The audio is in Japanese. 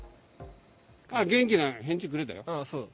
元気な返事をくれたよ。